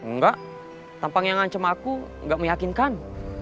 nggak tampaknya ngancem aku nggak meyakinkan